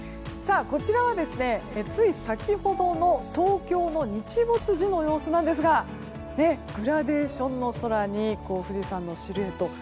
こちらは、つい先ほどの東京の日没時の様子なんですがグラデーションの空に富士山のシルエット。